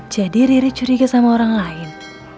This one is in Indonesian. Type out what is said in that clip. jadi riri curiga sama orang lain